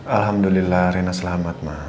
alhamdulillah rina selamat ma